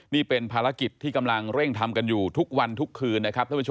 นี่เป็นภารกิจที่เร่งทำทีทุกวันทุกคืน